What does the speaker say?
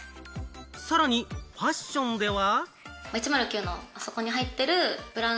さらにファッションでは。